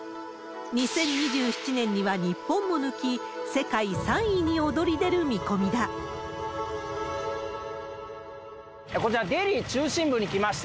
２０２７年には日本も抜き、こちら、デリー中心部に来ました。